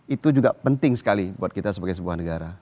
itu juga penting sekali buat kita sebagai sebuah negara